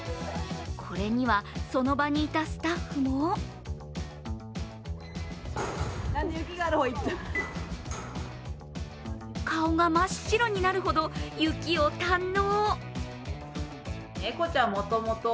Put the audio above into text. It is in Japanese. これにはその場にいたスタッフも顔が真っ白になるほど雪を堪能。